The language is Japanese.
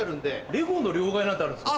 レゴの両替なんてあるんですか？